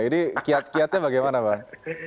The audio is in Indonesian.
ini kiat kiatnya bagaimana bang